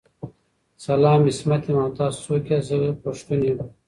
سلام عصمت یم او تاسو څوک ياست ذه پښتون یم